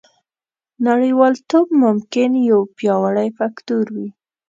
نړیوالتوب ممکن یو پیاوړی فکتور وي